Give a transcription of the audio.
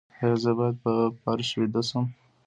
ایا زه باید په فرش ویده شم؟